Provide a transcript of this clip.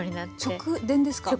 直電ですか？